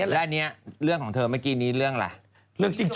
แล้วอันนี้เรื่องของเธอเมื่อกี้นี้เรื่องอะไร